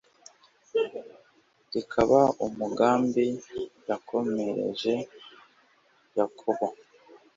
rikaba umugambi yakomereje yakobo